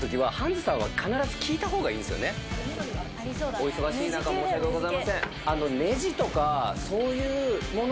お忙しい中申し訳ございません。